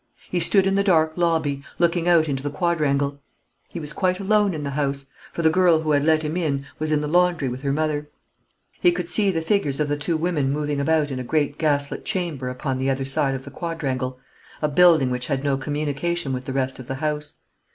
He stood in the dark lobby, looking out into the quadrangle. He was quite alone in the house; for the girl who had let him in was in the laundry with her mother. He could see the figures of the two women moving about in a great gaslit chamber upon the other side of the quadrangle a building which had no communication with the rest of the house.